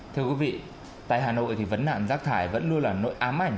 thưa quý vị tại hà nội thì vấn nạn rác thải vẫn luôn là nỗi ám ảnh